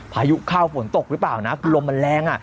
พายุเข้าฝนตกหรือเปล่านะลมมันแรง